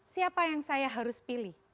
siapa yang saya harus pilih